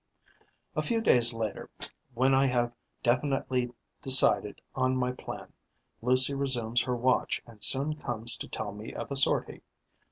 A few days later, when I have definitely decided on my plan, Lucie resumes her watch and soon comes to tell me of a sortie.